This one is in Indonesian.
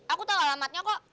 aku tau alamatnya kok